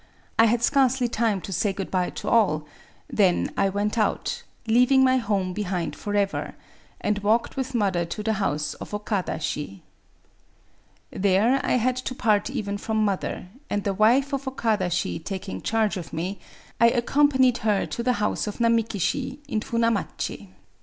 I had scarcely time to say good by to all: then I went out, — leaving my home behind forever, — and walked with mother to the house of Okada Shi. There I had to part even from mother; and the wife of Okada Shi taking charge of me, I accompanied her to the house of Namaki Shi in Funamachi.